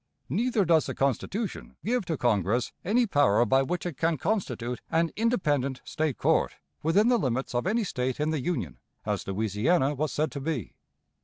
Neither does the Constitution give to Congress any power by which it can constitute an independent State court within the limits of any State in the Union, as Louisiana was said to be.